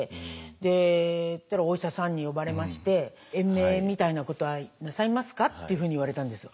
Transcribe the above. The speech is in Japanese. でお医者さんに呼ばれまして「延命みたいなことはなさいますか？」っていうふうに言われたんです。